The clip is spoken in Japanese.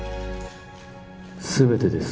全てです